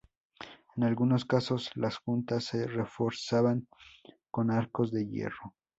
En algunos casos, las juntas se reforzaban con aros de hierro.